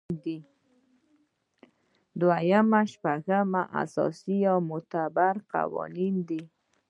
دوهم شپږ اساسي یا معتبر قوانین دي.